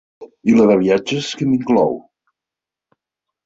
I la de viatges què m'inclou?